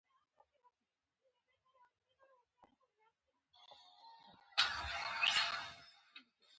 کم مقدار یې د باکتریاوو د نمو مخه نیسي.